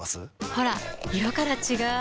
ほら色から違う！